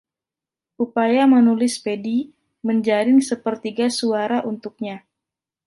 Upaya menulis Peddy menjaring sepertiga suara untuknya.